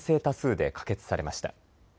多数で可決されました。